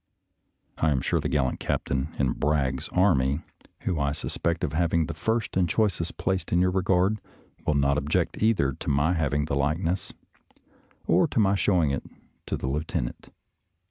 I am sure the gallant captain in Bragg's army, whom I sus A THIRTY DAT FURLOUGH 227 pect of liaving the first and choicest place in your regard, will not object either to my hav ing the likeness, or to my showing it to the lieutenant.